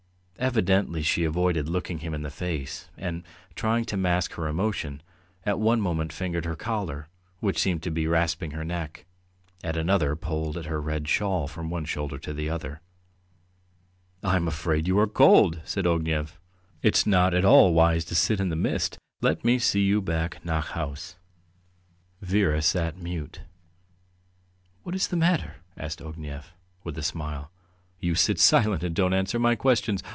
Evidently she avoided looking him in the face, and, trying to mask her emotion, at one moment fingered her collar, which seemed to be rasping her neck, at another pulled her red shawl from one shoulder to the other. "I am afraid you are cold," said Ognev. "It's not at all wise to sit in the mist. Let me see you back nach haus." Vera sat mute. "What is the matter?" asked Ognev, with a smile. "You sit silent and don't answer my questions.